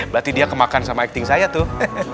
berarti dia kemakan sama acting saya tuh